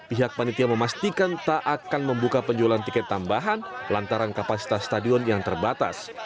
pihak panitia memastikan tak akan membuka penjualan tiket tambahan lantaran kapasitas stadion yang terbatas